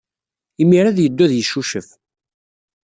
Imir-a ad yeddu ad yeccucef.